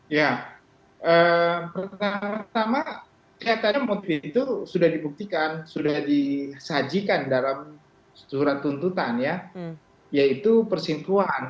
ya pertama kelihatannya motif itu sudah dibuktikan sudah disajikan dalam surat tuntutan ya yaitu persingkuan